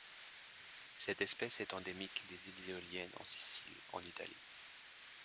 Cette espèce est endémique des îles Éoliennes en Sicile en Italie.